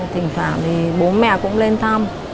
thỉnh thoảng thì bố mẹ cũng lên thăm